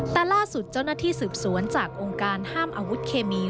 แต่ล่าสุดเจ้าหน้าที่สืบสวนจากองค์การห้ามอาวุธเคมี